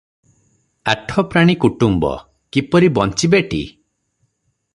ଆଠ ପ୍ରାଣୀ କୁଟୁମ୍ବ, କିପରି ବଞ୍ଚିବେଟି?